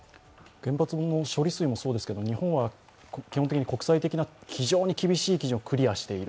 原発の処理水もそうですが、日本は基本的に国際的な非常に厳しい基準をクリアしている。